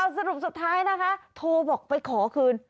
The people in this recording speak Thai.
สรุปสุดท้ายนะคะโทรบอกไปขอคืน